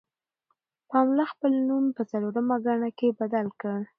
پملا خپل نوم په څلورمه ګڼه کې بدل کړ.